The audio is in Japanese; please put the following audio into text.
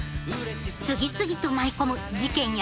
次々と舞い込む事件やトラブル！